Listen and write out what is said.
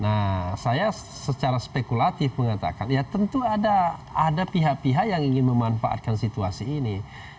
nah saya secara spekulatif mengatakan ya tentu ada pihak pihak yang ingin memanfaatkan situasi ini